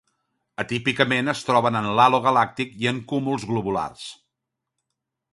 Atípicament es troben en l'halo galàctic i en cúmuls globulars.